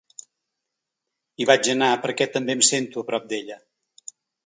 Hi vaig anar perquè també em sento a prop d’ella.